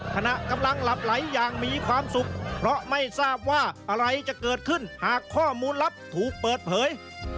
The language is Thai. ขณะกำลังหลับไหลอย่างมีความสุขเพราะไม่ทราบว่าอะไรจะเกิดขึ้นหากข้อมูลลับถูกเปิดเผย